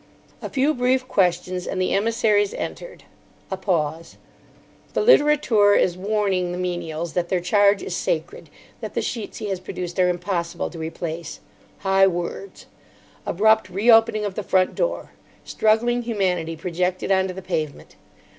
A few brief questions and the emissaries entered. A pause. The litterateur is warning the menials that their charge is sacred; that the sheets he has produced are impossible to replace. High words. Abrupt re opening of the front door. Struggling humanity projected on to the pavement.